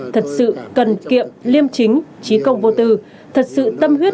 thật sự cần kiệm liêm chính trí công vô tư thật sự tâm huyết